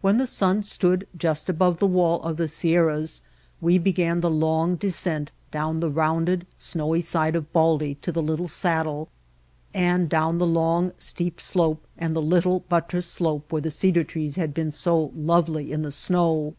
When the sun stood just above the wall of the Sierras we began the long descent down the rounded, snowy side of Baldy to the little saddle, and down the long, steep slope and the little, but tress slope where the cedar trees had been so lovely in the snow.